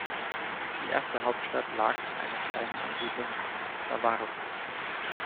Die erste Hauptstadt lag in einer kleinen Ansiedlung namens "Navarro".